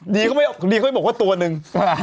ดีเขาไม่บอกว่าตัวนึง